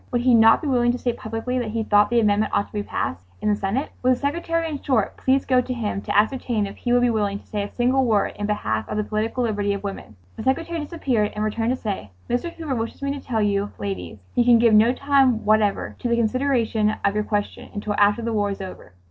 Would he not be willing to state publicly that he thought the amendment ought to be passed in the Senate? Would the secretary, in short, please go to him to ascertain if he' would be willing to say a single word in behalf of the political liberty of women? The secretary disappeared and returned to say, "Mr. Hoover wishes me to tell you ladies he can give no time whatever to the consideration of your question until after the war is over.